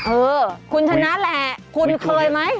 เออคุณชนะแหละคุณเคยไหม